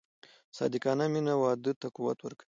صادقانه مینه واده ته قوت ورکوي.